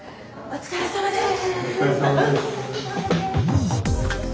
お疲れさまです。